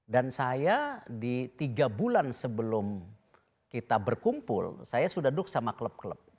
dan saya di tiga bulan sebelum kita berkumpul saya sudah duduk sama klub klub